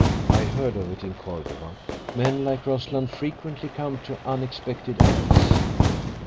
I heard of it in Cordova. Men like Rossland frequently come to unexpected ends."